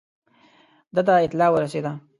ده ته اطلاع ورسېده.